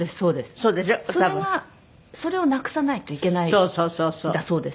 それがそれをなくさないといけないんだそうです。